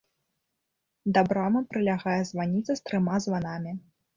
Да брамы прылягае званіца з трыма званамі.